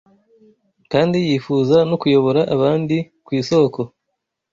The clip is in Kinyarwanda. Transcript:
kandi yifuza no kuyobora abandi ku isoko